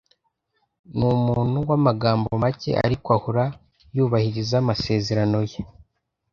Numuntu wamagambo make, ariko ahora yubahiriza amasezerano ye.